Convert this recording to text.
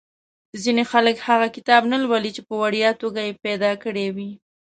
ځینې خلک هغه کتاب نه لولي چې په وړیا توګه یې پیدا کړی وي.